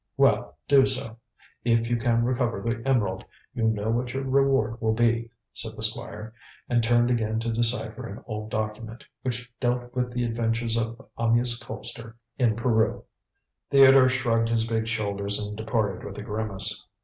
"Well, do so. If you can recover the emerald, you know what your reward will be," said the Squire, and turned again to decipher an old document, which dealt with the adventures of Amyas Colpster in Peru. Theodore shrugged his big shoulders and departed with a grimace.